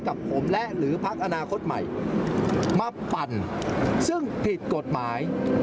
กับผมและหรือพักอนาคตใหม่มาปั่นซึ่งผิดกฎหมาย